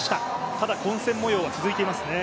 ただ混戦もようは続いていますね。